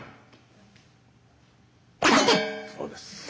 そうです。